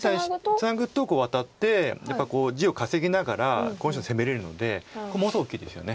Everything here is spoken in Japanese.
ツナぐとワタってやっぱり地を稼ぎながらこの石を攻めれるのでものすごい大きいですよね。